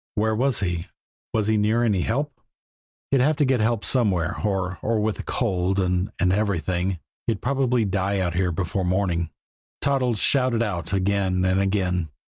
Where was he? Was he near any help? He'd have to get help somewhere, or or with the cold and and everything he'd probably die out here before morning. Toddles shouted out again and again.